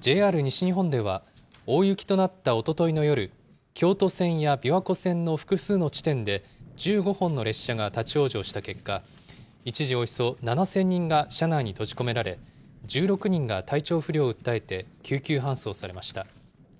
ＪＲ西日本では、大雪となったおとといの夜、京都線や琵琶湖線の複数の地点で１５本の列車が立往生した結果、一時およそ７０００人が車内に閉じ込められ、１６人が体調不良を訴えて救急搬送されました。